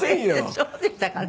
そうでしたかね。